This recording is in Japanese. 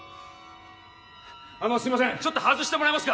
あのすいませんちょっと外してもらえますか？